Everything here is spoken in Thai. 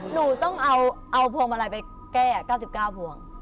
หนูต้องเอาพวงมาลัยไปแก้๙๙พวง